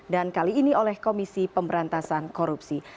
di sini oleh komisi pemberantasan korupsi